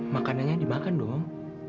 makanannya dimakan dong